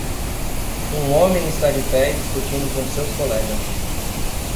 Um homem está de pé e discutindo com seus colegas